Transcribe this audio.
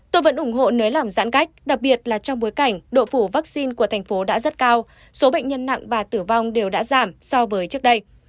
tôi vẫn ủng hộ nới lỏng giãn cách đặc biệt là trong bối cảnh độ phủ vaccine của thành phố đã rất cao số bệnh nhân nặng và tử vong đều đã giảm so với trước đây